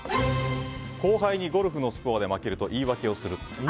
後輩にゴルフのスコアで負けると言い訳をする。